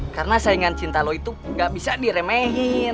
karena saingan cinta lo itu gak bisa diremehin